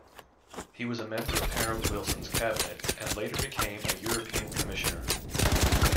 He was a member of Harold Wilson's cabinet, and later became a European Commissioner.